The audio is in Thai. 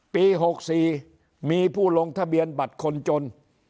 ปี๖๔มีผู้ลงทะเบียนบัตรคนจน